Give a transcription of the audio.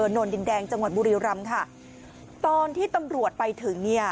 นนดินแดงจังหวัดบุรีรำค่ะตอนที่ตำรวจไปถึงเนี่ย